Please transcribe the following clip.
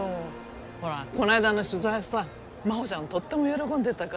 ほらこの間の取材さ真帆ちゃんがとっても喜んでたから。